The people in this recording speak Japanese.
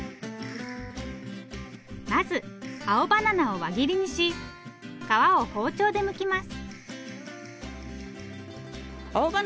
まず青バナナを輪切りにし皮を包丁でむきます。